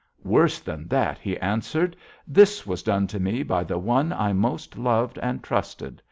"'Worse than that,' he answered; 'this was done to me by the one I most loved and trusted.'